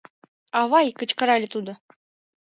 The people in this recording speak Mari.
— Авай! — кычкырале тудо.